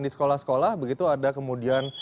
di sekolah sekolah begitu ada kemudian